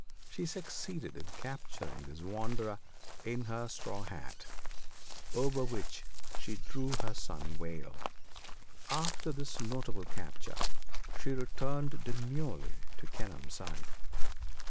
She succeeded in capturing this wanderer in her straw hat, over which she drew her sun veil. After this notable capture she returned demurely to Kenelm's side.